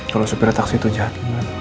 kalau supir taksi itu jadi